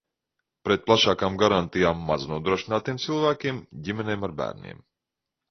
Pret plašākām garantijām maznodrošinātiem cilvēkiem, ģimenēm ar bērniem.